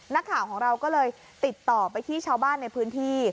นักข่าวของเราก็เลยติดต่อไปที่ชาวบ้านในพื้นที่